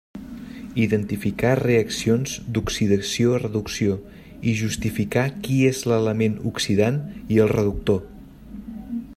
Identificar reaccions d'oxidació reducció i justificar qui és l'element oxidant i el reductor.